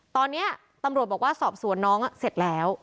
ตอนนี้ตำรวจบอกว่าสอบสวนน้องเสร็จแล้ว